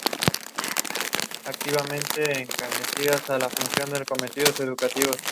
El municipio actualmente tiene como idioma el español.